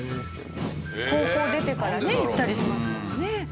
高校出てからね行ったりしますもんね。